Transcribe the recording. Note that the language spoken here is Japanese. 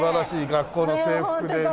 学校の制服でね。